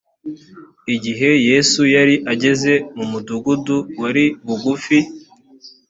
igihe yesu yari ageze mu mudugudu wari bugufi